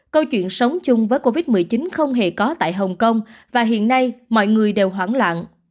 câu chuyện sống chung với covid một mươi chín không hề có tại hồng kông và hiện nay mọi người đều hoảng loạn